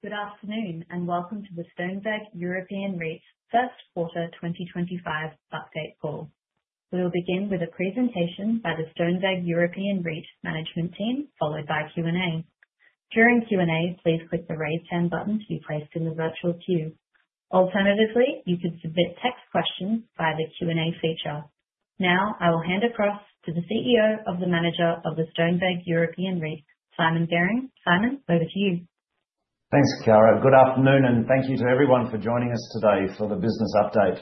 Good afternoon and welcome to the Stoneweg European REIT's first quarter 2025 update call. We'll begin with a presentation by the Stoneweg European REIT management team, followed by Q&A. During Q&A, please click the Raise Hand button to be placed in the virtual queue. Alternatively, you can submit text questions via the Q&A feature. Now, I will hand across to the CEO of the Manager of the Stoneweg European REIT, Simon Garing. Simon, over to you. Thanks, Chiara. Good afternoon, and thank you to everyone for joining us today for the business update.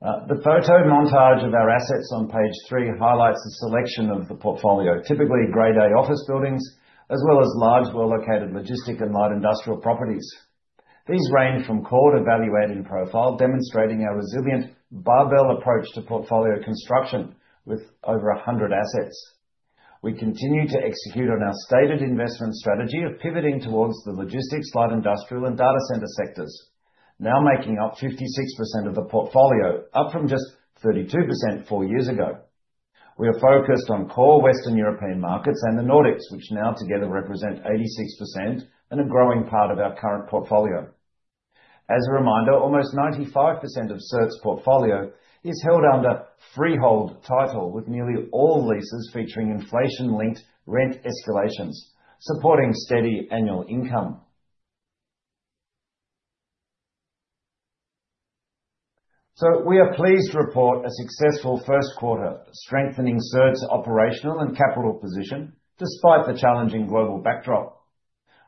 The photo montage of our assets on page three highlights a selection of the portfolio, typically Grade A office buildings, as well as large, well-located logistic and light industrial properties. These range from core to value-added profile, demonstrating our resilient barbell approach to portfolio construction with over 100 assets. We continue to execute on our stated investment strategy of pivoting towards the logistics, light industrial, and data center sectors, now making up 56% of the portfolio, up from just 32% four years ago. We are focused on core Western European markets and the Nordics, which now together represent 86% and a growing part of our current portfolio. As a reminder, almost 95% of SERT's portfolio is held under freehold title, with nearly all leases featuring inflation-linked rent escalations, supporting steady annual income. We are pleased to report a successful first quarter, strengthening SERT's operational and capital position despite the challenging global backdrop.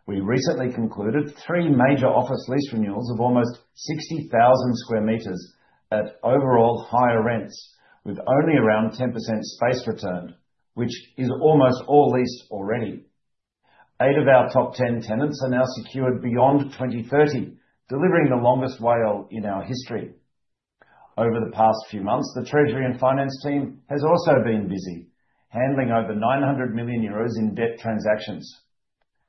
We recently concluded three major office lease renewals of almost 60,000 sq m at overall higher rents, with only around 10% space returned, which is almost all leased already. Eight of our top 10 tenants are now secured beyond 2030, delivering the longest WALE in our history. Over the past few months, the retasury and finance team has also been busy handling over 900 million euros in debt transactions.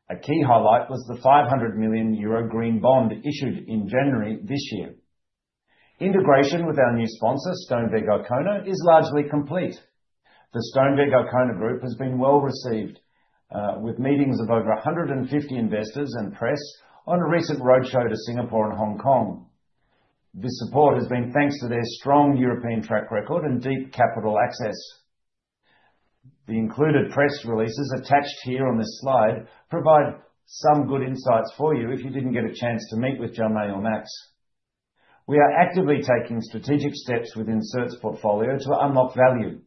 A key highlight was the 500 million euro green bond issued in January this year. Integration with our new sponsor, Stoneweg Icona, is largely complete. The Stoneweg Icona Group has been well received, with meetings of over 150 investors and press on a recent roadshow to Singapore and Hong Kong. This support has been thanks to their strong European track record and deep capital access. The included press releases attached here on this slide provide some good insights for you if you did not get a chance to meet with Jaume or Max. We are actively taking strategic steps within SERT's portfolio to unlock value,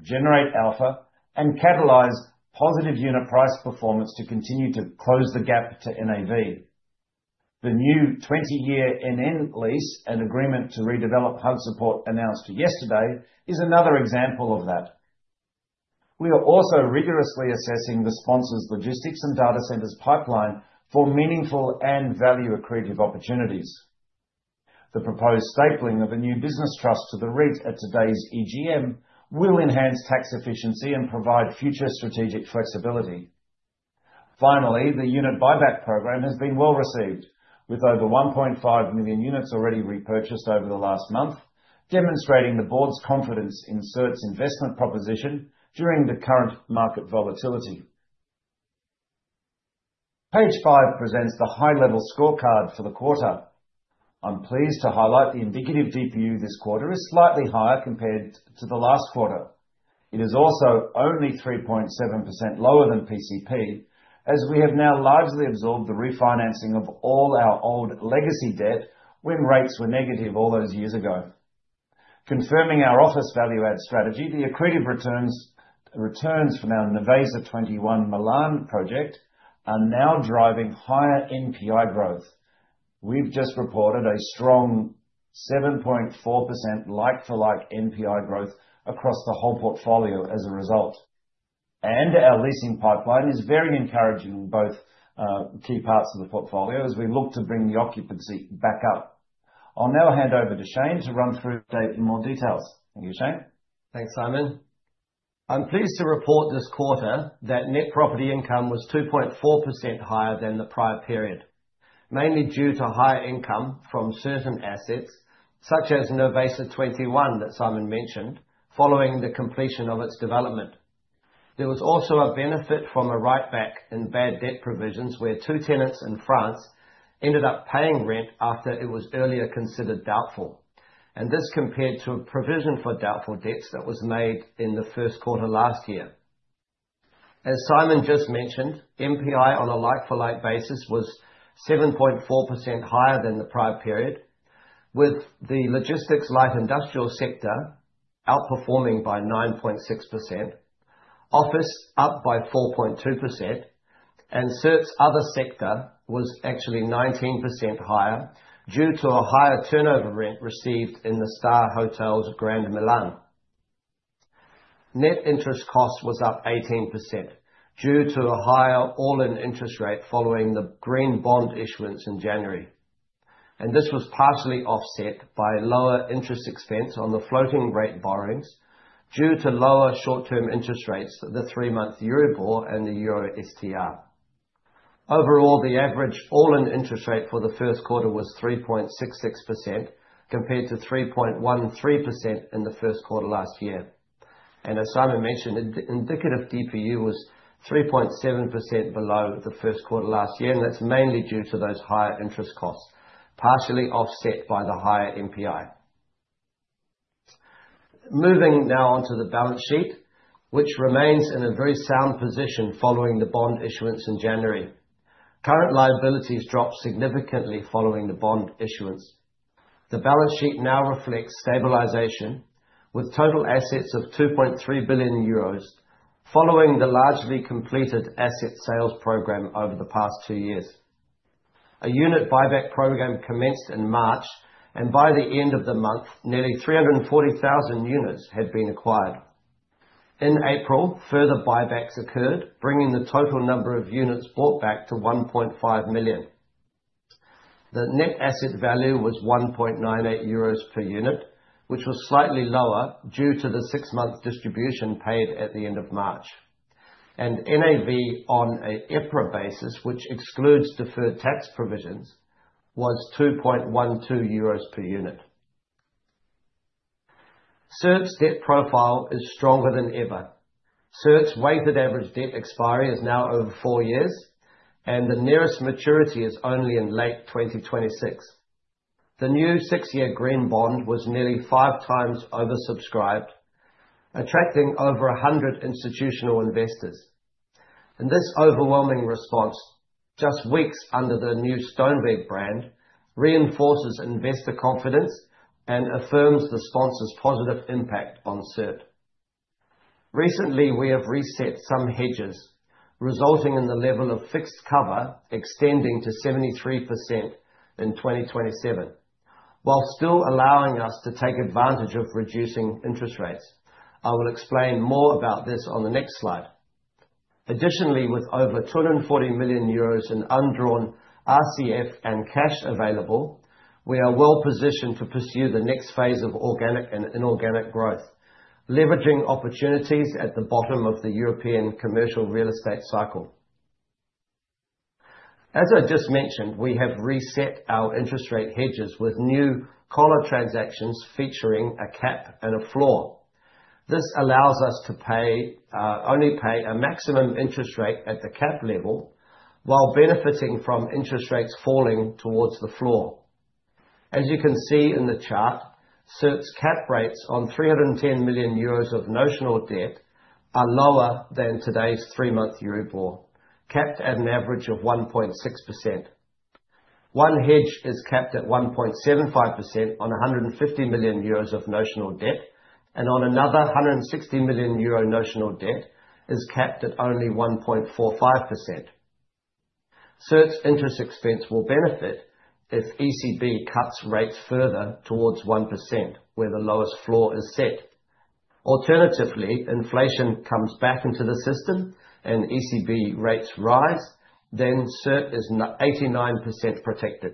generate alpha, and catalyze positive unit price performance to continue to close the gap to NAV. The new 20-year NN lease, an agreement to redevelop Haagse Poort announced yesterday, is another example of that. We are also rigorously assessing the sponsor's logistics and data centers pipeline for meaningful and value-accretive opportunities. The proposed stapling of a new business trust to the REIT at today's EGM will enhance tax efficiency and provide future strategic flexibility. Finally, the unit buyback program has been well received, with over 1.5 million units already repurchased over the last month, demonstrating the board's confidence in SERT's investment proposition during the current market volatility. Page five presents the high-level scorecard for the quarter. I'm pleased to highlight the indicative DPU this quarter is slightly higher compared to the last quarter. It is also only 3.7% lower than PCP, as we have now largely absorbed the refinancing of all our old legacy debt when rates were negative all those years ago. Confirming our office value-add strategy, the accretive returns from our Nervesa 21 Milan project are now driving higher NPI growth. We have just reported a strong 7.4% like-for-like NPI growth across the whole portfolio as a result. Our leasing pipeline is very encouraging in both key parts of the portfolio as we look to bring the occupancy back up. I'll now hand over to Shane to run through the update in more detail. Thank you, Shane. Thanks, Simon. I'm pleased to report this quarter that net property income was 2.4% higher than the prior period, mainly due to higher income from certain assets such as Nervesa 21 that Simon mentioned following the completion of its development. There was also a benefit from a write-back in bad debt provisions where two tenants in France ended up paying rent after it was earlier considered doubtful. This compared to a provision for doubtful debts that was made in the first quarter last year. As Simon just mentioned, NPI on a like-for-like basis was 7.4% higher than the prior period, with the logistics light industrial sector outperforming by 9.6%, office up by 4.2%, and SERT's other sector was actually 19% higher due to a higher turnover rent received in the Starhotels Grand Milan. Net interest cost was up 18% due to a higher all-in interest rate following the green bond issuance in January. This was partially offset by lower interest expense on the floating rate borrowings due to lower short-term interest rates at the three-month Euribor and the Euro STR. Overall, the average all-in interest rate for the first quarter was 3.66% compared to 3.13% in the first quarter last year. As Simon mentioned, the indicative DPU was 3.7% below the first quarter last year, and that's mainly due to those higher interest costs, partially offset by the higher NPI. Moving now on to the balance sheet, which remains in a very sound position following the bond issuance in January. Current liabilities dropped significantly following the bond issuance. The balance sheet now reflects stabilization with total assets of 2.3 billion euros following the largely completed asset sales program over the past two years. A unit buyback program commenced in March, and by the end of the month, nearly 340,000 units had been acquired. In April, further buybacks occurred, bringing the total number of units bought back to 1.5 million. The net asset value was 1.98 euros per unit, which was slightly lower due to the six-month distribution paid at the end of March. NAV on an EPRA basis, which excludes deferred tax provisions, was 2.12 euros per unit. SERT's debt profile is stronger than ever. SERT's weighted average debt expiry is now over four years, and the nearest maturity is only in late 2026. The new six-year green bond was nearly five times oversubscribed, attracting over 100 institutional investors. This overwhelming response, just weeks under the new Stoneweg brand, reinforces investor confidence and affirms the sponsor's positive impact on SERT. Recently, we have reset some hedges, resulting in the level of fixed cover extending to 73% in 2027, while still allowing us to take advantage of reducing interest rates. I will explain more about this on the next slide. Additionally, with over 240 million euros in undrawn RCF and cash available, we are well-positioned to pursue the next phase of organic and inorganic growth, leveraging opportunities at the bottom of the European commercial real estate cycle. As I just mentioned, we have reset our interest rate hedges with new collar transactions featuring a cap and a floor. This allows us to only pay a maximum interest rate at the cap level while benefiting from interest rates falling towards the floor. As you can see in the chart, SERT's cap rates on 310 million euros of notional debt are lower than today's three-month Euribor, capped at an average of 1.6%. One hedge is capped at 1.75% on 150 million euros of notional debt, and on another, 160 million euro notional debt is capped at only 1.45%. SERT's interest expense will benefit if ECB cuts rates further towards 1%, where the lowest floor is set. Alternatively, inflation comes back into the system and ECB rates rise, then SERT is 89% protected.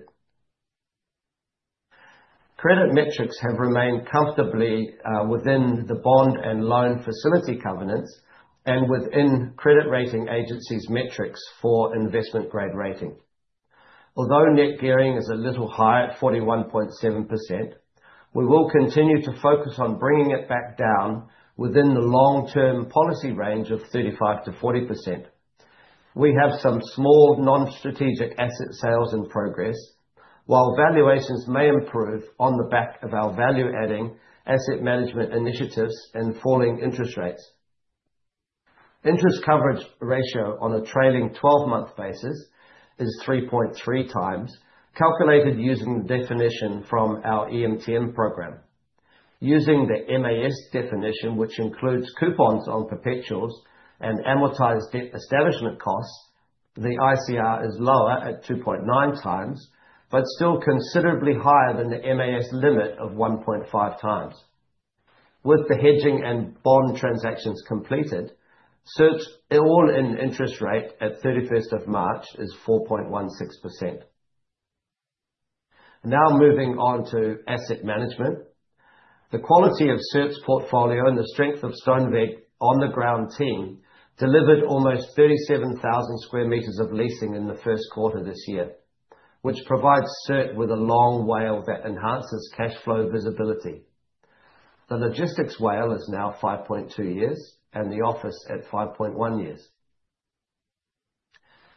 Credit metrics have remained comfortably within the bond and loan facility covenants and within credit rating agencies' metrics for investment-grade rating. Although net gearing is a little higher at 41.7%, we will continue to focus on bringing it back down within the long-term policy range of 35%-40%. We have some small non-strategic asset sales in progress, while valuations may improve on the back of our value-adding asset management initiatives and falling interest rates. Interest coverage ratio on a trailing 12-month basis is 3.3 times, calculated using the definition from our EMTN program. Using the MAS definition, which includes coupons on perpetuals and amortized debt establishment costs, the ICR is lower at 2.9 times, but still considerably higher than the MAS limit of 1.5 times. With the hedging and bond transactions completed, SERT's all-in interest rate at 31st of March is 4.16%. Now moving on to asset management. The quality of SERT's portfolio and the strength of Stoneweg on-the-ground team delivered almost 37,000 sq m of leasing in the first quarter this year, which provides SERT with a long WALE that enhances cash flow visibility. The logistics WALE is now 5.2 years and the office at 5.1 years.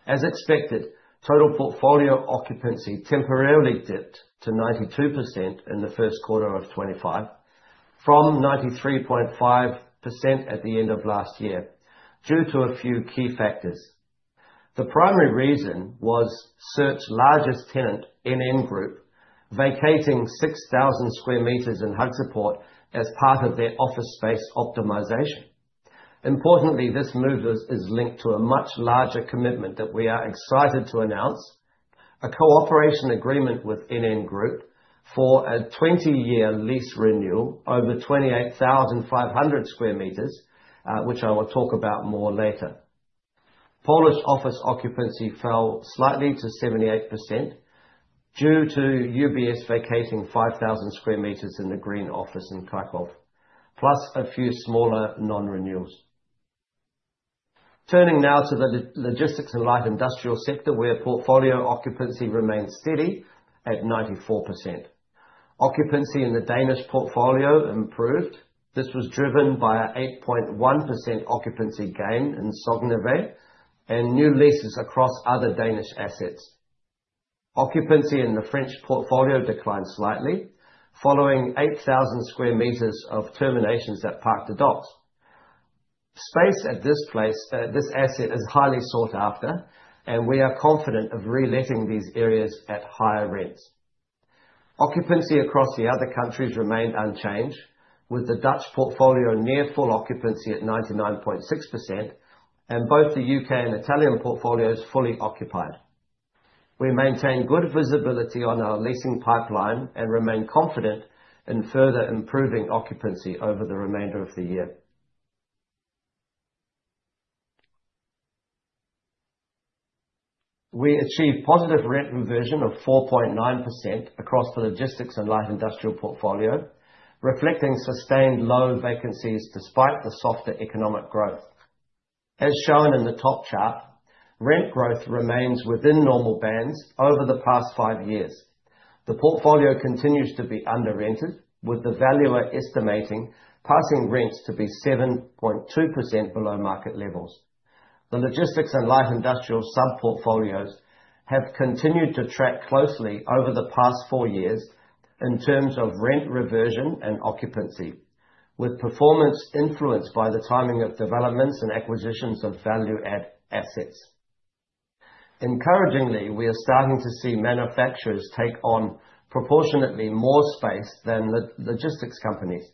As expected, total portfolio occupancy temporarily dipped to 92% in the first quarter of 2025 from 93.5% at the end of last year due to a few key factors. The primary reason was SERT's largest tenant, NN Group, vacating 6,000 sq m in Haagse Poort as part of their office space optimization. Importantly, this move is linked to a much larger commitment that we are excited to announce: a cooperation agreement with NN Group for a 20-year lease renewal over 28,500 sq m, which I will talk about more later. Polish office occupancy fell slightly to 78% due to UBS vacating 5,000 sq m in the Green Office in Kraków, plus a few smaller non-renewals. Turning now to the logistics and light industrial sector, where portfolio occupancy remains steady at 94%. Occupancy in the Danish portfolio improved. This was driven by an 8.1% occupancy gain in Sognevej and new leases across other Danish assets. Occupancy in the French portfolio declined slightly following 8,000 sq m of terminations that Parc des Docks. Space at this asset is highly sought after, and we are confident of reletting these areas at higher rents. Occupancy across the other countries remained unchanged, with the Dutch portfolio near full occupancy at 99.6%, and both the U.K. and Italian portfolios fully occupied. We maintain good visibility on our leasing pipeline and remain confident in further improving occupancy over the remainder of the year. We achieved positive rent reversion of 4.9% across the logistics and light industrial portfolio, reflecting sustained low vacancies despite the softer economic growth. As shown in the top chart, rent growth remains within normal bands over the past five years. The portfolio continues to be under-rented, with the valuer estimating passing rents to be 7.2% below market levels. The logistics and light industrial sub-portfolios have continued to track closely over the past four years in terms of rent reversion and occupancy, with performance influenced by the timing of developments and acquisitions of value-add assets. Encouragingly, we are starting to see manufacturers take on proportionately more space than logistics companies.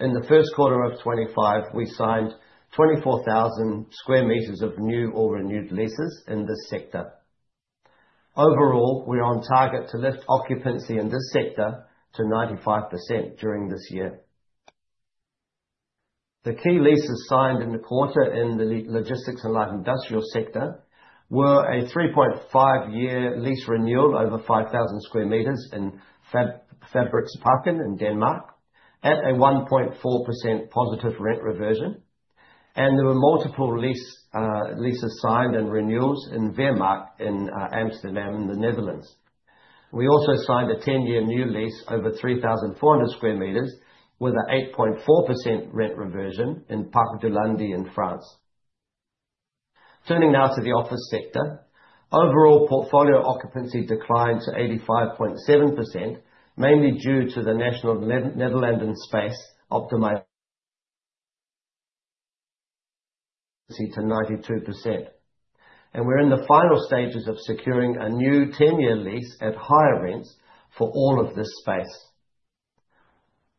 In the first quarter of 2025, we signed 24,000 sq m of new or renewed leases in this sector. Overall, we're on target to lift occupancy in this sector to 95% during this year. The key leases signed in the quarter in the logistics and light industrial sector were a 3.5-year lease renewal over 5,000 sq m in Fabriksparken in Denmark at a 1.4% positive rent reversion. There were multiple leases signed and renewals in Veemarkt in Amsterdam, in the Netherlands. We also signed a 10-year new lease over 3,400 sq m with an 8.4% rent reversion in Parc du Landy in France. Turning now to the office sector, overall portfolio occupancy declined to 85.7%, mainly due to the Nationale-Nederlanden in space optimization to 92%. We are in the final stages of securing a new 10-year lease at higher rents for all of this space.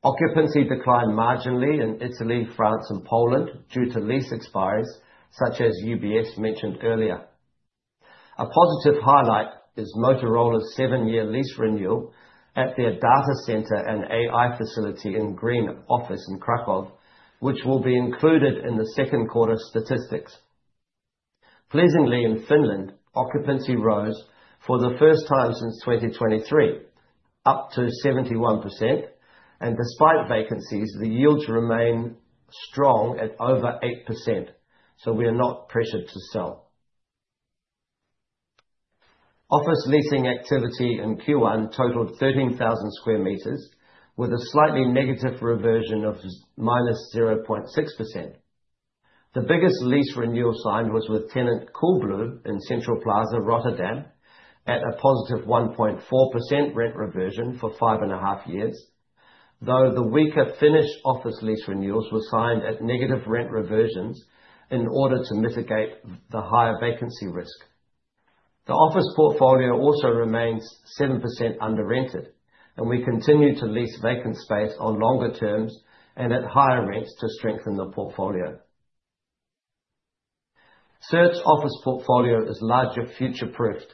Occupancy declined marginally in Italy, France, and Poland due to lease expiries such as UBS mentioned earlier. A positive highlight is Motorola's seven-year lease renewal at their data center and AI facility in Green Office in Kraków, which will be included in the second quarter statistics. Pleasingly, in Finland, occupancy rose for the first time since 2023, up to 71%. Despite vacancies, the yields remain strong at over 8%, so we are not pressured to sell. Office leasing activity in Q1 totaled 13,000 sq m, with a slightly negative reversion of -0.6%. The biggest lease renewal signed was with tenant Coolblue in Central Plaza, Rotterdam, at a positive 1.4% rent reversion for five and a half years, though the weaker Finnish office lease renewals were signed at negative rent reversions in order to mitigate the higher vacancy risk. The office portfolio also remains 7% under-rented, and we continue to lease vacant space on longer terms and at higher rents to strengthen the portfolio. SERT's office portfolio is larger future-proofed,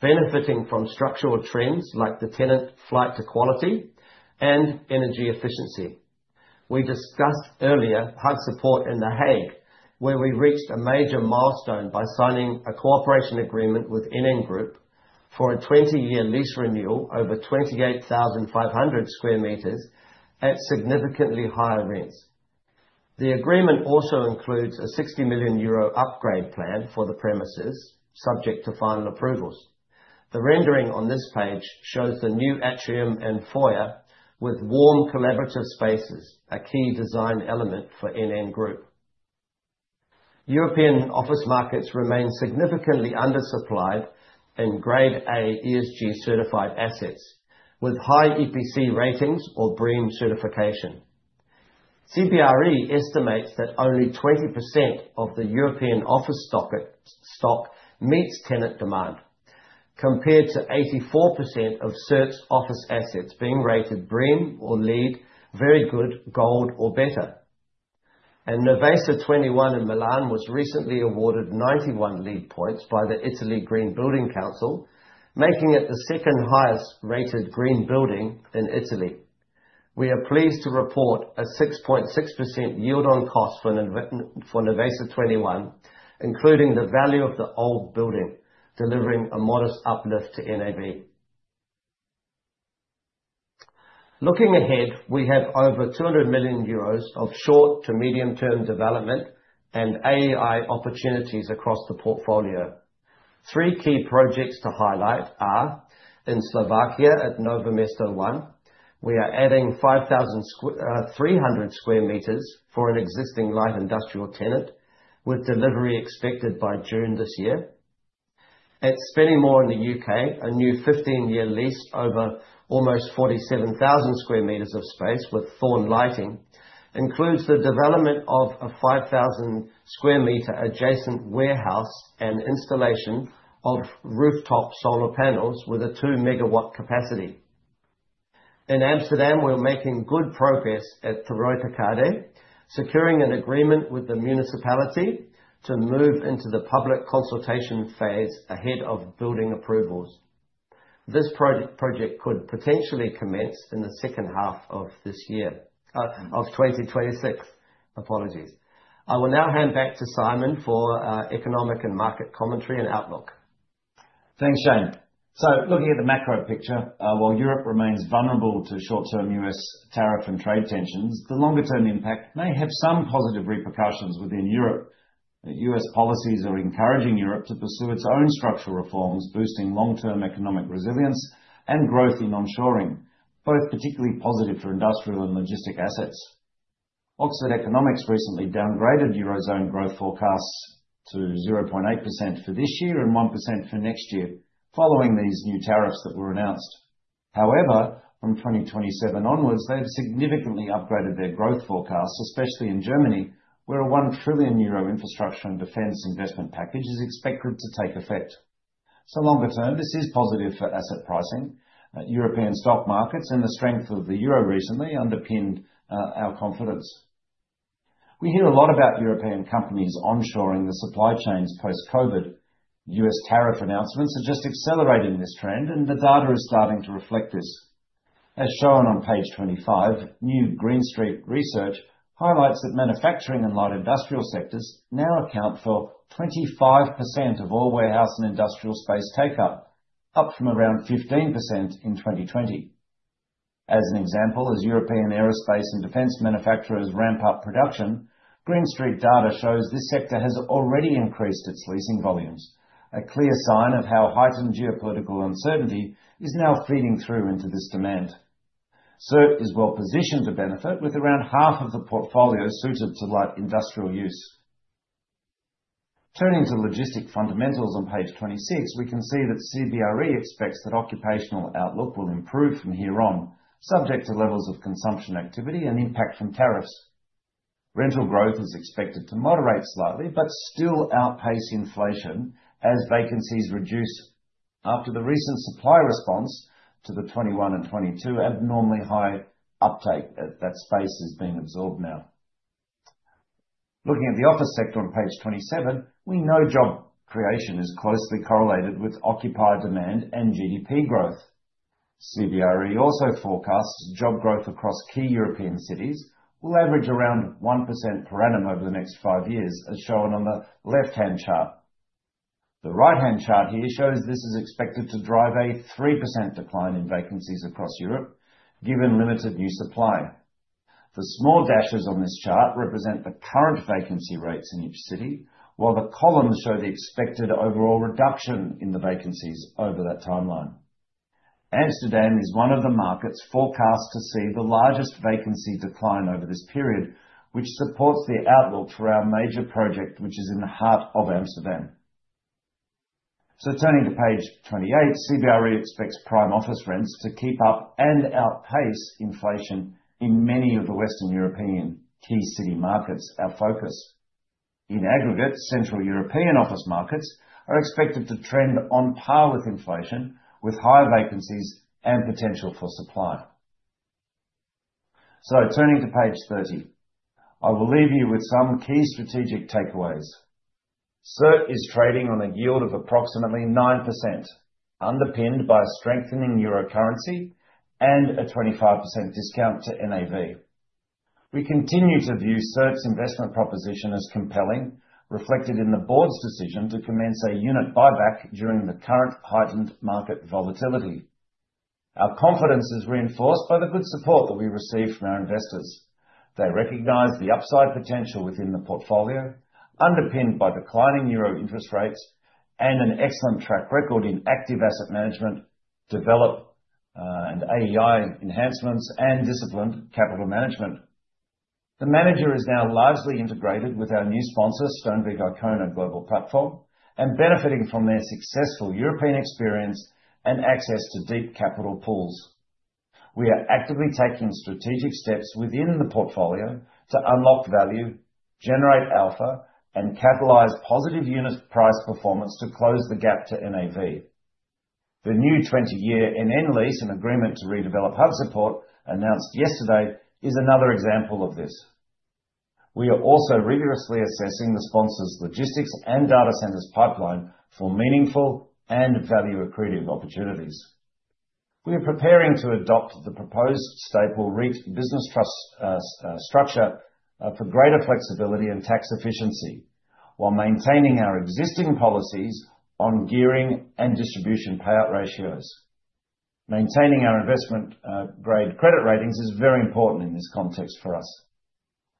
benefiting from structural trends like the tenant flight to quality and energy efficiency. We discussed earlier Haagse Poort in The Hague, where we reached a major milestone by signing a cooperation agreement with NN Group for a 20-year lease renewal over 28,500 sq m at significantly higher rents. The agreement also includes an 60 million euro upgrade plan for the premises, subject to final approvals. The rendering on this page shows the new atrium and foyer with warm collaborative spaces, a key design element for NN Group. European office markets remain significantly undersupplied in Grade A ESG-certified assets with high EPC ratings or BREEAM certification. CBRE estimates that only 20% of the European office stock meets tenant demand, compared to 84% of SERT's office assets being rated BREEAM or LEED, very good, gold, or better. Nervesa 21 in Milan was recently awarded 91 LEED points by the Italy Green Building Council, making it the second-highest-rated green building in Italy. We are pleased to report a 6.6% yield on cost for Nervesa 21, including the value of the old building, delivering a modest uplift to NAV. Looking ahead, we have over 200 million euros of short to medium-term development and AEI opportunities across the portfolio. Three key projects to highlight are in Slovakia at Nove Mesto ONE. We are adding 5,300 sq m for an existing light industrial tenant, with delivery expected by June this year. At Spennymoor in the U.K., a new 15-year lease over almost 47,000 sq m of space with Thorn Lighting includes the development of a 5,000 sq m adjacent warehouse and installation of rooftop solar panels with a two megawatt capacity. In Amsterdam, we're making good progress at De Ruyterkade, securing an agreement with the municipality to move into the public consultation phase ahead of building approvals. This project could potentially commence in the second half of this year of 2026. Apologies. I will now hand back to Simon for economic and market commentary and outlook. Thanks, Shane. Looking at the macro picture, while Europe remains vulnerable to short-term U.S. tariff and trade tensions, the longer-term impact may have some positive repercussions within Europe. U.S. policies are encouraging Europe to pursue its own structural reforms, boosting long-term economic resilience and growth in onshoring, both particularly positive for industrial and logistic assets. Oxford Economics recently downgraded Eurozone growth forecasts to 0.8% for this year and 1% for next year, following these new tariffs that were announced. However, from 2027 onwards, they have significantly upgraded their growth forecasts, especially in Germany, where a 1 trillion euro infrastructure and defense investment package is expected to take effect. Longer term, this is positive for asset pricing. European stock markets and the strength of the euro recently underpinned our confidence. We hear a lot about European companies onshoring the supply chains post-COVID. U.S. tariff announcements are just accelerating this trend, and the data is starting to reflect this. As shown on page 25, new Green Street research highlights that manufacturing and light industrial sectors now account for 25% of all warehouse and industrial space take-up, up from around 15% in 2020. As an example, as European aerospace and defense manufacturers ramp up production, Green Street data shows this sector has already increased its leasing volumes, a clear sign of how heightened geopolitical uncertainty is now feeding through into this demand. SERT is well positioned to benefit, with around half of the portfolio suited to light industrial use. Turning to logistic fundamentals on page 26, we can see that CBRE expects that occupational outlook will improve from here on, subject to levels of consumption activity and impact from tariffs. Rental growth is expected to moderate slightly, but still outpace inflation as vacancies reduce after the recent supply response to the 2021 and 2022 abnormally high uptake that space is being absorbed now. Looking at the office sector on page 27, we know job creation is closely correlated with occupied demand and GDP growth. CBRE also forecasts job growth across key European cities will average around 1% per annum over the next five years, as shown on the left-hand chart. The right-hand chart here shows this is expected to drive a 3% decline in vacancies across Europe, given limited new supply. The small dashes on this chart represent the current vacancy rates in each city, while the columns show the expected overall reduction in the vacancies over that timeline. Amsterdam is one of the markets forecast to see the largest vacancy decline over this period, which supports the outlook for our major project, which is in the heart of Amsterdam. Turning to page 28, CBRE expects prime office rents to keep up and outpace inflation in many of the Western European key city markets, our focus. In aggregate, Central European office markets are expected to trend on par with inflation, with higher vacancies and potential for supply. Turning to page 30, I will leave you with some key strategic takeaways. SERT is trading on a yield of approximately 9%, underpinned by strengthening euro currency and a 25% discount to NAV. We continue to view SERT's investment proposition as compelling, reflected in the board's decision to commence a unit buyback during the current heightened market volatility. Our confidence is reinforced by the good support that we receive from our investors. They recognize the upside potential within the portfolio, underpinned by declining EUR interest rates and an excellent track record in active asset management, development and AI enhancements, and disciplined capital management. The manager is now largely integrated with our new sponsor, Stoneweg Icona Group platform, and benefiting from their successful European experience and access to deep capital pools. We are actively taking strategic steps within the portfolio to unlock value, generate alpha, and catalyze positive unit price performance to close the gap to NAV. The new 20-year NN lease and agreement to redevelop Haagse Poort announced yesterday is another example of this. We are also rigorously assessing the sponsor's logistics and data centers pipeline for meaningful and value-accretive opportunities. We are preparing to adopt the proposed staple REIT business trust structure for greater flexibility and tax efficiency, while maintaining our existing policies on gearing and distribution payout ratios. Maintaining our investment-grade credit ratings is very important in this context for us.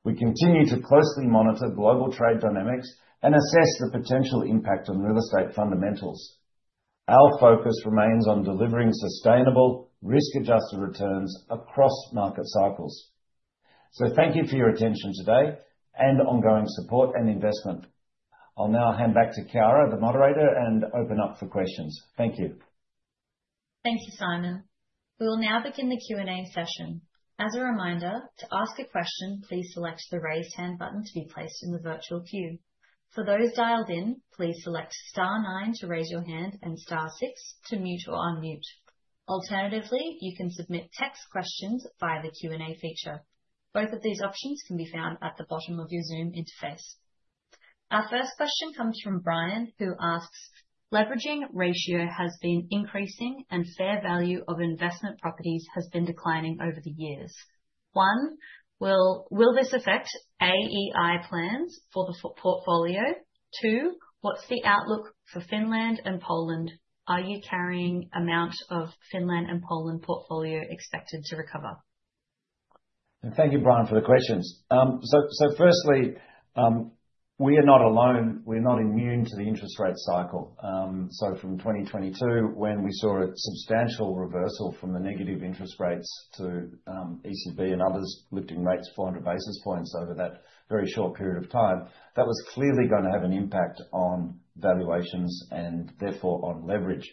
We continue to closely monitor global trade dynamics and assess the potential impact on real estate fundamentals. Our focus remains on delivering sustainable, risk-adjusted returns across market cycles. Thank you for your attention today and ongoing support and investment. I'll now hand back to Chiara, the moderator, and open up for questions. Thank you. Thank you, Simon. We will now begin the Q&A session. As a reminder, to ask a question, please select the raise hand button to be placed in the virtual queue. For those dialed in, please select star nine to raise your hand and star six to mute or unmute. Alternatively, you can submit text questions via the Q&A feature. Both of these options can be found at the bottom of your Zoom interface. Our first question comes from Brian, who asks, "Leveraging ratio has been increasing, and fair value of investment properties has been declining over the years. One, will this affect AEI plans for the portfolio? Two, what's the outlook for Finland and Poland? Are you carrying amount of Finland and Poland portfolio expected to recover?" Thank you, Brian, for the questions. Firstly, we are not alone. We are not immune to the interest rate cycle. From 2022, when we saw a substantial reversal from the negative interest rates to ECB and others lifting rates 400 basis points over that very short period of time, that was clearly going to have an impact on valuations and therefore on leverage.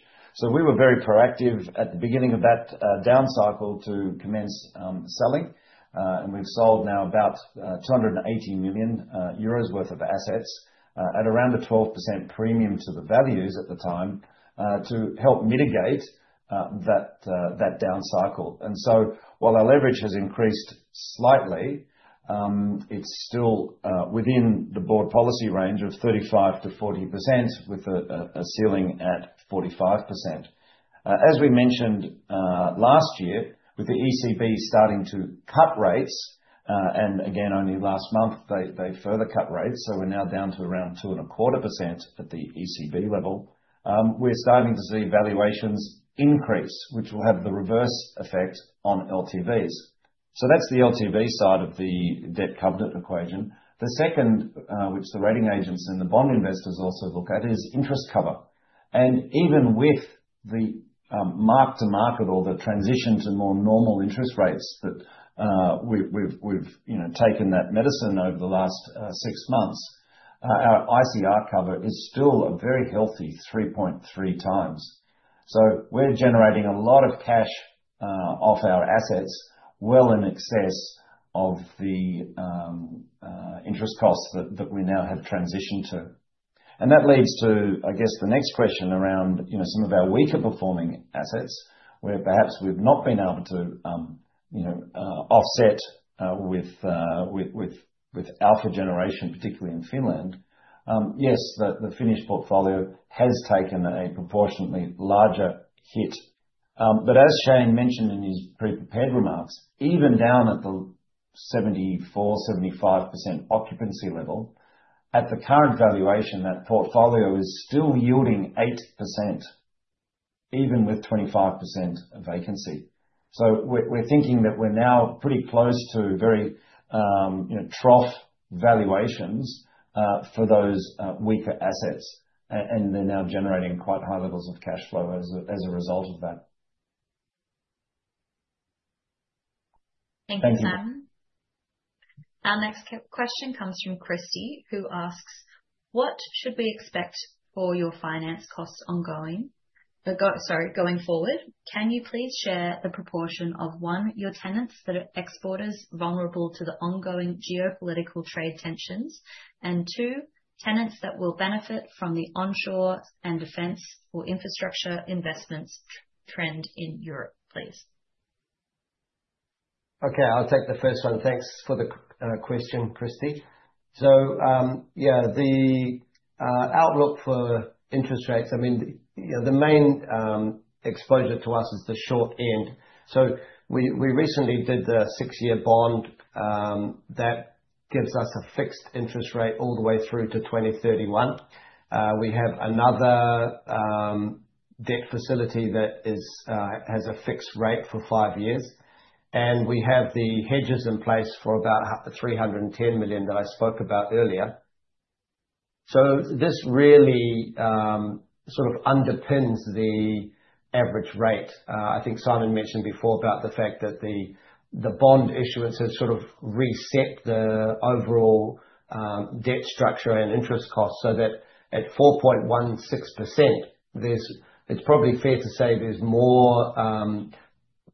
We were very proactive at the beginning of that down cycle to commence selling. We have sold now about 280 million euros worth of assets at around a 12% premium to the values at the time to help mitigate that down cycle. While our leverage has increased slightly, it is still within the board policy range of 35%-40% with a ceiling at 45%. As we mentioned last year, with the ECB starting to cut rates, and again, only last month, they further cut rates. We are now down to around 2.25% at the ECB level. We're starting to see valuations increase, which will have the reverse effect on LTVs. That's the LTV side of the debt covenant equation. The second, which the rating agents and the bond investors also look at, is interest cover. Even with the mark-to-market or the transition to more normal interest rates that we've taken that medicine over the last six months, our ICR cover is still a very healthy 3.3 times. We're generating a lot of cash off our assets, well in excess of the interest costs that we now have transitioned to. That leads to, I guess, the next question around some of our weaker performing assets, where perhaps we've not been able to offset with alpha generation, particularly in Finland. Yes, the Finnish portfolio has taken a proportionately larger hit. As Shane mentioned in his pre-prepared remarks, even down at the 74%-75% occupancy level, at the current valuation, that portfolio is still yielding 8%, even with 25% vacancy. We are thinking that we are now pretty close to very trough valuations for those weaker assets. They are now generating quite high levels of cash flow as a result of that. Thank you, Simon. Our next question comes from Christie, who asks, "What should we expect for your finance costs ongoing?" Sorry, going forward, can you please share the proportion of one, your tenants that are exporters vulnerable to the ongoing geopolitical trade tensions, and two, tenants that will benefit from the onshore and defense or infrastructure investments trend in Europe, please? Okay, I will take the first one. Thanks for the question, Christie. Yeah, the outlook for interest rates, I mean, the main exposure to us is the short end. We recently did the six-year bond that gives us a fixed interest rate all the way through to 2031. We have another debt facility that has a fixed rate for five years. We have the hedges in place for about 310 million that I spoke about earlier. This really sort of underpins the average rate. I think Simon mentioned before about the fact that the bond issuance has sort of reset the overall debt structure and interest costs, so that at 4.16%, it's probably fair to say there's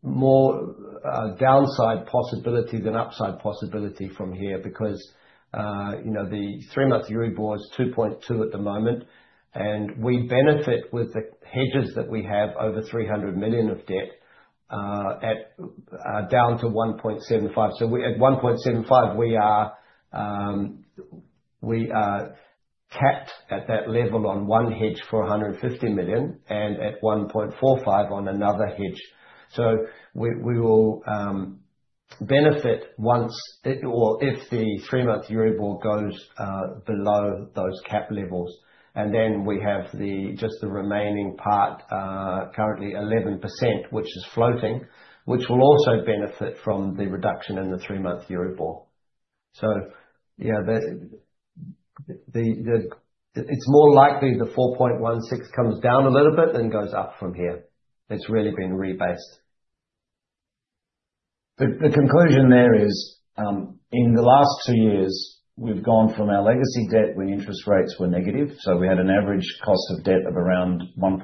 more downside possibility than upside possibility from here because the three-month Euribor is 2.2% at the moment. We benefit with the hedges that we have over 300 million of debt down to 1.75%. At 1.75%, we are capped at that level on one hedge for 150 million and at 1.45% on another hedge. We will benefit once or if the three-month Euribor goes below those cap levels. We have just the remaining part, currently 11%, which is floating, which will also benefit from the reduction in the three-month Euribor. Yeah, it's more likely the 4.16% comes down a little bit and goes up from here. It's really been rebased. The conclusion there is in the last two years, we've gone from our legacy debt when interest rates were negative. We had an average cost of debt of around 1.7%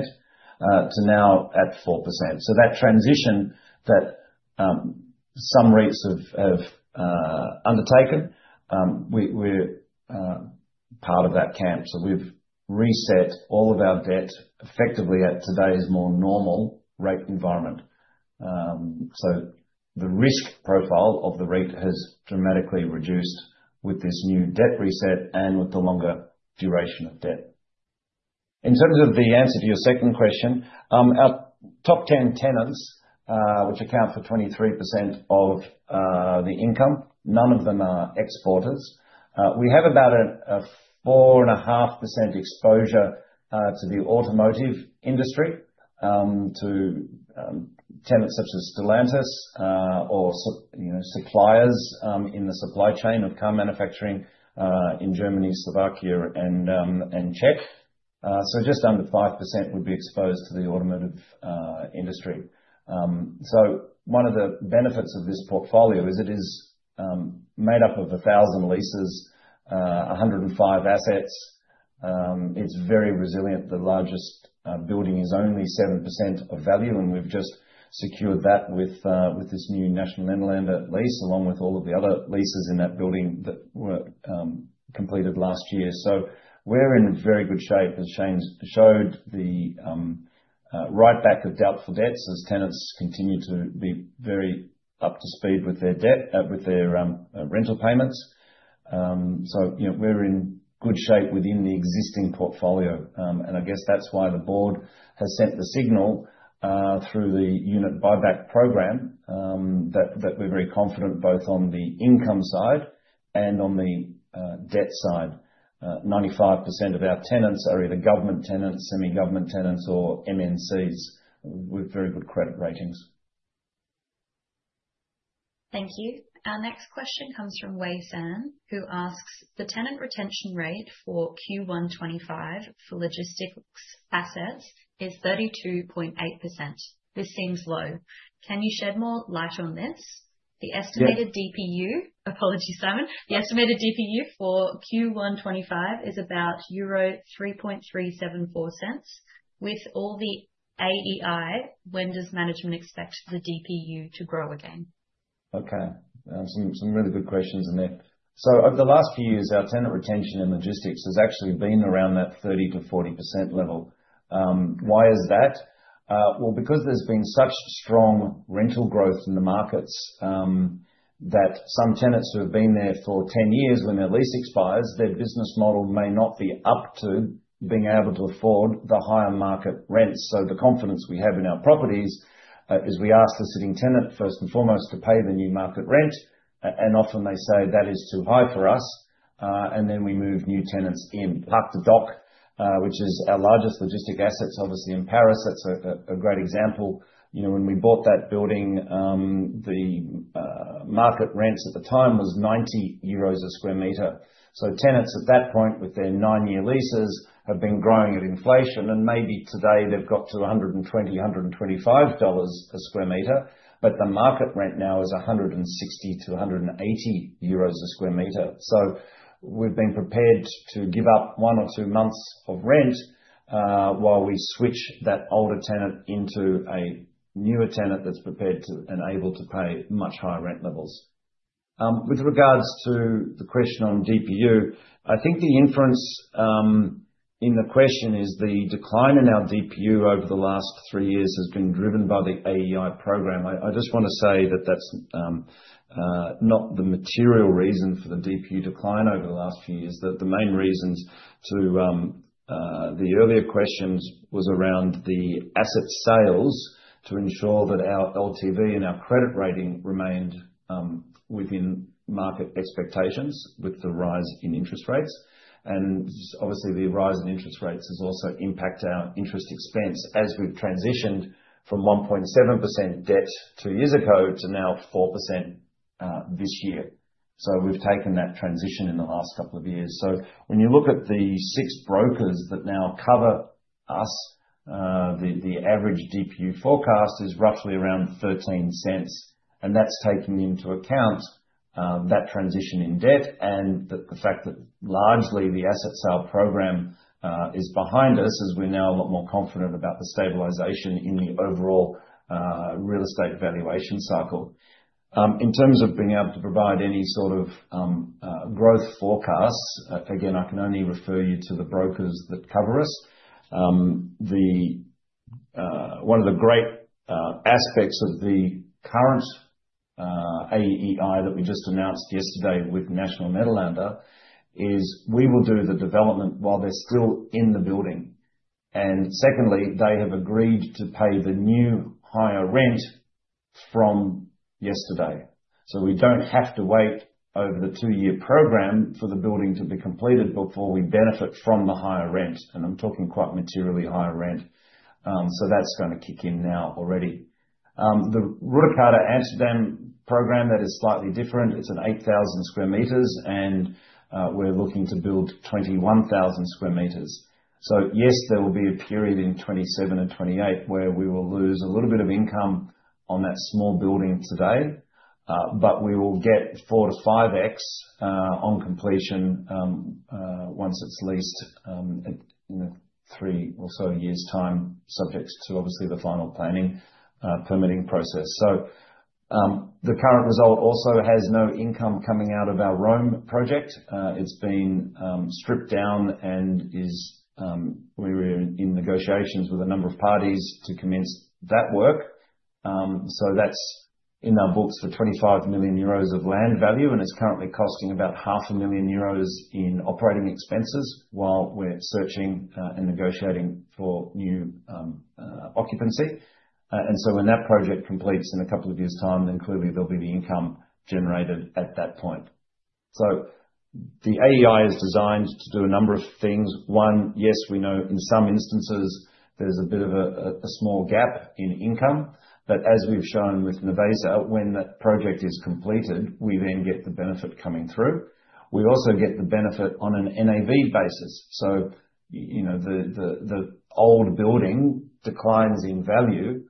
to now at 4%. That transition that some REITs have undertaken, we're part of that camp. We've reset all of our debt effectively at today's more normal rate environment. The risk profile of the REIT has dramatically reduced with this new debt reset and with the longer duration of debt. In terms of the answer to your second question, our top 10 tenants, which account for 23% of the income, none of them are exporters. We have about a 4.5% exposure to the automotive industry, to tenants such as Stellantis or suppliers in the supply chain of car manufacturing in Germany, Slovakia, and Czech. Just under 5% would be exposed to the automotive industry. One of the benefits of this portfolio is it is made up of 1,000 leases, 105 assets. It is very resilient. The largest building is only 7% of value. We have just secured that with this new Nationale-Nederlanden lease, along with all of the other leases in that building that were completed last year. We are in very good shape, as Shane showed, the write-back of doubtful debts as tenants continue to be very up to speed with their rental payments. We are in good shape within the existing portfolio. I guess that's why the board has sent the signal through the unit buyback program that we are very confident both on the income side and on the debt side. 95% of our tenants are either government tenants, semi-government tenants, or MNCs with very good credit ratings. Thank you. Our next question comes from [Wei San], who asks, "The tenant retention rate for Q1 2025 for logistics assets is 32.8%. This seems low. Can you shed more light on this?" The estimated DPU, apologies, Simon, the estimated DPU for Q1 2025 is about euro 3.374. With all the AEI, when does management expect the DPU to grow again? Okay. Some really good questions in there. Over the last few years, our tenant retention in logistics has actually been around that 30%-40% level. Why is that? Because there has been such strong rental growth in the markets that some tenants who have been there for 10 years, when their lease expires, their business model may not be up to being able to afford the higher market rents. The confidence we have in our properties is we ask the sitting tenant, first and foremost, to pay the new market rent. Often they say, "That is too high for us." We move new tenants in Parc des Docks, which is our largest logistics asset, obviously in Paris, is a great example. When we bought that building, the market rent at the time was 90 euros a sq m. Tenants at that point, with their nine-year leases, have been growing at inflation. Maybe today they've got to $120-$125 a sq m. The market rent now is 160-180 euros a sq m. We've been prepared to give up one or two months of rent while we switch that older tenant into a newer tenant that's prepared and able to pay much higher rent levels. With regards to the question on DPU, I think the inference in the question is the decline in our DPU over the last three years has been driven by the AEI program. I just want to say that that's not the material reason for the DPU decline over the last few years. The main reasons to the earlier questions was around the asset sales to ensure that our LTV and our credit rating remained within market expectations with the rise in interest rates. Obviously, the rise in interest rates has also impacted our interest expense as we've transitioned from 1.7% debt two years ago to now 4% this year. We've taken that transition in the last couple of years. When you look at the six brokers that now cover us, the average DPU forecast is roughly around 0.13. That is taking into account that transition in debt and the fact that largely the asset sale program is behind us as we're now a lot more confident about the stabilization in the overall real estate valuation cycle. In terms of being able to provide any sort of growth forecasts, again, I can only refer you to the brokers that cover us. One of the great aspects of the current AEI that we just announced yesterday with Nationale-Nederlanden is we will do the development while they're still in the building. Secondly, they have agreed to pay the new higher rent from yesterday. We do not have to wait over the two-year program for the building to be completed before we benefit from the higher rent. I am talking quite materially higher rent. That is going to kick in now already. De Ruyterkade Amsterdam program is slightly different. It is 8,000 sq m, and we are looking to build 21,000 sq m. There will be a period in 2027 and 2028 where we will lose a little bit of income on that small building today. We will get 4x-5x on completion once it is leased in three or so years' time, subject to, obviously, the final planning permitting process. The current result also has no income coming out of our Rome project. It's been stripped down and we were in negotiations with a number of parties to commence that work. That is in our books for 25 million euros of land value. It is currently costing about 500,000 euros in operating expenses while we are searching and negotiating for new occupancy. When that project completes in a couple of years' time, clearly there will be the income generated at that point. The AEI is designed to do a number of things. One, yes, we know in some instances there is a bit of a small gap in income. As we have shown with Nervesa, when that project is completed, we then get the benefit coming through. We also get the benefit on an NAV basis. The old building declines in value.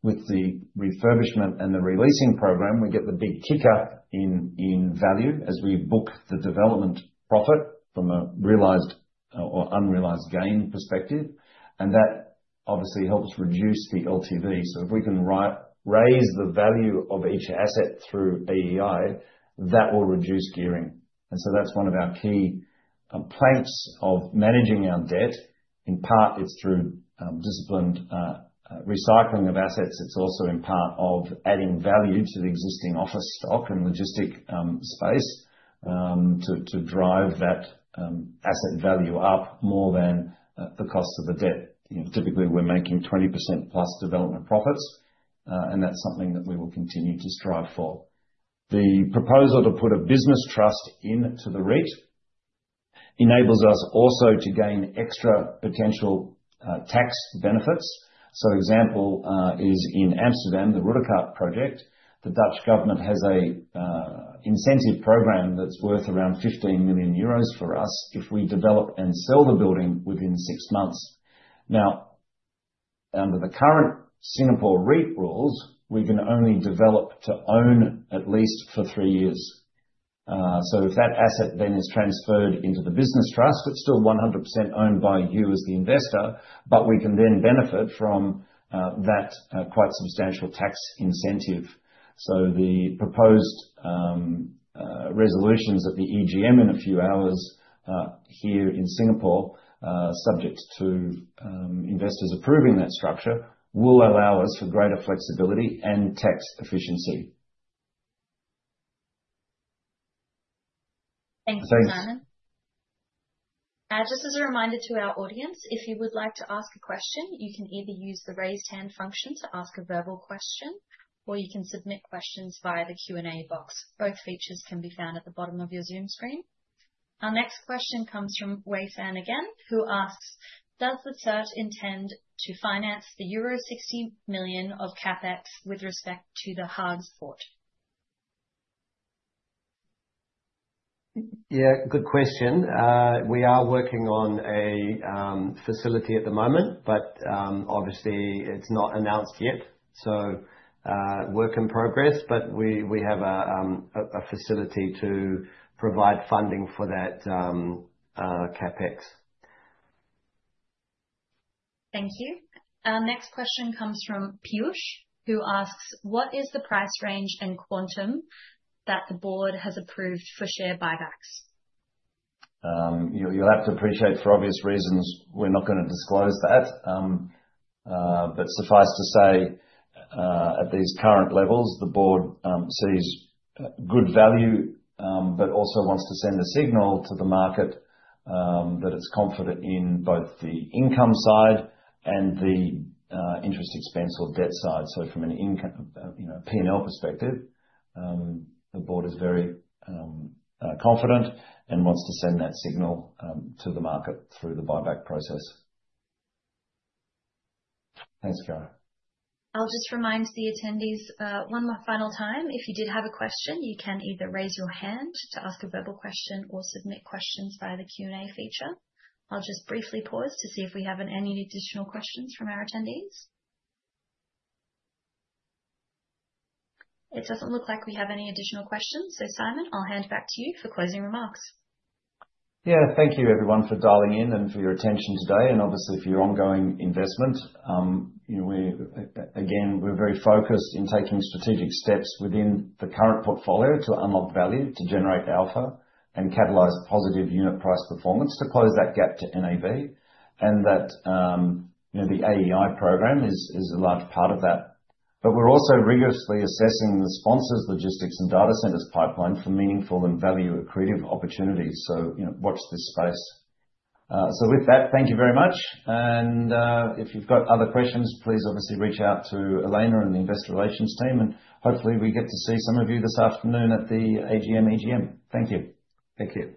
With the refurbishment and the releasing program, we get the big kick-up in value as we book the development profit from a realized or unrealized gain perspective. That obviously helps reduce the LTV. If we can raise the value of each asset through AEI, that will reduce gearing. That is one of our key planks of managing our debt. In part, it is through disciplined recycling of assets. It is also in part adding value to the existing office stock and logistic space to drive that asset value up more than the cost of the debt. Typically, we are making 20%+ development profits. That is something that we will continue to strive for. The proposal to put a business trust into the REIT enables us also to gain extra potential tax benefits. An example is in Amsterdam De Ruyterkade project. The Dutch government has an incentive program that is worth around 15 million euros for us if we develop and sell the building within six months. Now, under the current Singapore REIT rules, we can only develop to own at least for three years. If that asset then is transferred into the business trust, it is still 100% owned by you as the investor, but we can then benefit from that quite substantial tax incentive. The proposed resolutions at the EGM in a few hours here in Singapore, subject to investors approving that structure, will allow us greater flexibility and tax efficiency. Thanks, Simon. Just as a reminder to our audience, if you would like to ask a question, you can either use the raised hand function to ask a verbal question, or you can submit questions via the Q&A box. Both features can be found at the bottom of your Zoom screen. Our next question comes from Wei San again, who asks, "Does the SERT intend to finance the euro 60 million of CapEx with respect to the Haagse Poort?" Yeah, good question. We are working on a facility at the moment, but obviously, it's not announced yet. So work in progress, but we have a facility to provide funding for that CapEx. Thank you. Our next question comes from [Piyush], who asks, "What is the price range and quantum that the board has approved for share buybacks?" You'll have to appreciate, for obvious reasons, we're not going to disclose that. Suffice to say, at these current levels, the board sees good value, but also wants to send a signal to the market that it's confident in both the income side and the interest expense or debt side. From a P&L perspective, the board is very confident and wants to send that signal to the market through the buyback process. Thanks. I'll just remind the attendees one more final time. If you did have a question, you can either raise your hand to ask a verbal question or submit questions via the Q&A feature. I'll just briefly pause to see if we have any additional questions from our attendees. It doesn't look like we have any additional questions. Simon, I'll hand back to you for closing remarks. Thank you, everyone, for dialing in and for your attention today. Obviously, for your ongoing investment, again, we're very focused in taking strategic steps within the current portfolio to unlock value, to generate alpha, and catalyze positive unit price performance to close that gap to NAV. That the AEI program is a large part of that. We are also rigorously assessing the sponsors, logistics, and data centers pipeline for meaningful and value-accretive opportunities. Watch this space. Thank you very much. If you have other questions, please obviously reach out to Elena and the investor relations team. Hopefully, we get to see some of you this afternoon at the AGM/EGM. Thank you. Thank you.